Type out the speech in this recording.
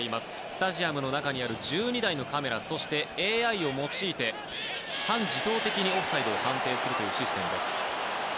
スタジアムの中にある１２台のカメラとＡＩを用いて半自動的にオフサイドを判定するシステムです。